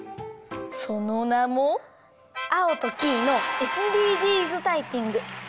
そのなも「アオとキイのＳＤＧｓタイピング」。